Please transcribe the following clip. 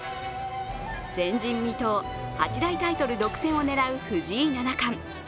前人未到、８大タイトル独占を狙う藤井七冠。